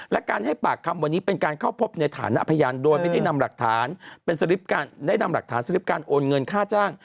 และการให้ปากคำวันนี้เป็นการเข้าพบในฐานะพยานโดยไม่ได้นำหลักฐานเป็นสลิปการได้นำหลักฐานสลิปการโอนเงินค่าจ้าง